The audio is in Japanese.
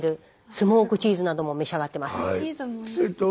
スモークチーズなども召し上がってます。